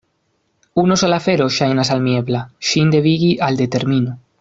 Unu sola afero ŝajnas al mi ebla: ŝin devigi al determino.